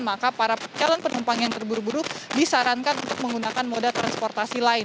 maka para calon penumpang yang terburu buru disarankan untuk menggunakan moda transportasi lain